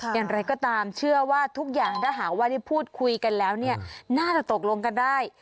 อย่างไรก็ตามเชื่อว่าทุกอย่างถ้าหากว่าได้พูดคุยกันแล้วเนี่ยน่าจะตกลงกันได้